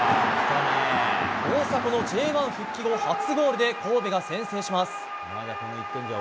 大迫のＪ１復帰後初ゴールで神戸が先制します。